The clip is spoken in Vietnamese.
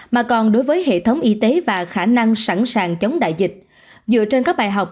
mà còn đối với hệ thống y tế và khả năng sẵn sàng chống đại dịch dựa trên các bài học